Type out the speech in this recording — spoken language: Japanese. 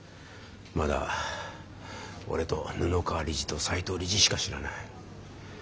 まだ俺と布川理事と斎藤理事しか知らない。